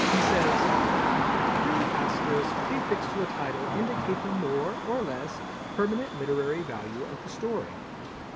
He says: "Three Asterisks prefixed to a title indicate the more or less permanent literary value of the story."